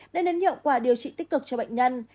đem đến hiệu quả điều trị tích cực cho bệnh nhân